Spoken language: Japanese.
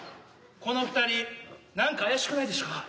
この二人なんか怪しくないでしゅか？